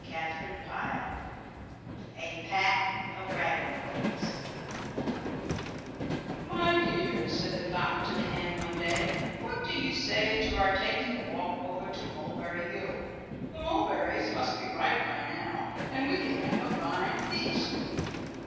A PACK OF RAGAMUFFINS "My dear," said the cock to the hen one day, "what do you say to our taking a walk over to Mulberry Hill? The mulberries must be ripe by now, and we can have a fine feast."